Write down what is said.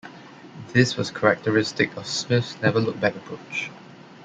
This was characteristic of Smith's "never look back" approach.